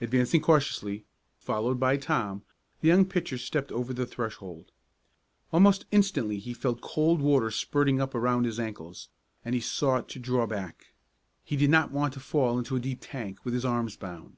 Advancing cautiously, followed by Tom, the young pitcher stepped over the threshold. Almost instantly he felt cold water spurting up around his ankles, and he sought to draw back. He did not want to fall into a deep tank, with his arms bound.